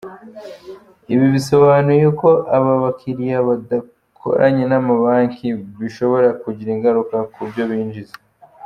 Ibi bisobanuye ko aba bakiriya badakoranye n’amabanki bishobora kugira ingaruka ku byo yinjiza.